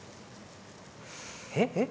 えっえっ？